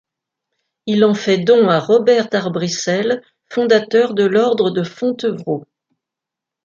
Il en fait don à Robert d'Arbrissel, fondateur de l'ordre de Fontevraud.